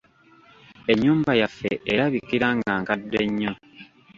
Ennyumba yaffe erabikira nga nkadde nnyo.